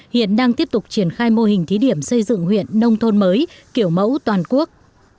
hiện đang tiếp tục triển khai mô hình thí điểm xây dựng huyện nông thôn mới kiểu mẫu toàn quốc